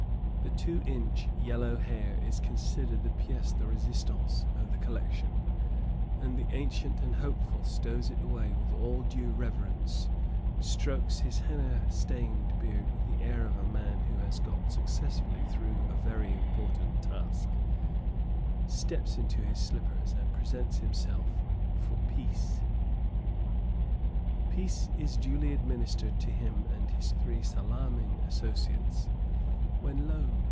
The two inch yellow hair is considered the piece de resistance of the collection, and the Ancient and Hopeful stows it away with all due reverence, strokes his henna stained beard with the air of a man who has got successfully through a very important task, steps into his slippers, and presents himself for "pice." Pice is duly administered to him and his three salaaming associates, when, lo!